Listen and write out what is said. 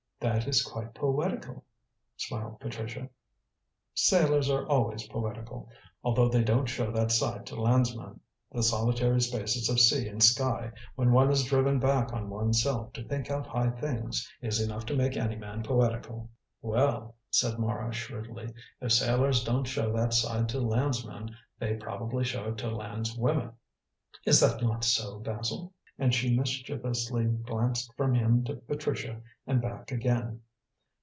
"That is quite poetical," smiled Patricia. "Sailors are always poetical, although they don't show that side to landsmen. The solitary spaces of sea and sky, when one is driven back on one's self to think out high things, is enough to make any man poetical." "Well," said Mara shrewdly, "if sailors don't show that side to landsmen, they probably show it to landswomen. Is that not so, Basil?" and she mischievously glanced from him to Patricia and back again.